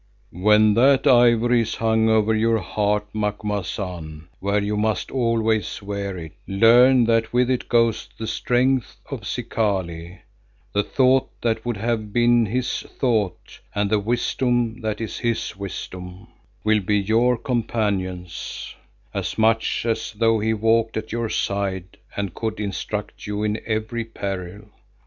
"When that ivory is hung over your heart, Macumazahn, where you must always wear it, learn that with it goes the strength of Zikali; the thought that would have been his thought and the wisdom that is his wisdom, will be your companions, as much as though he walked at your side and could instruct you in every peril.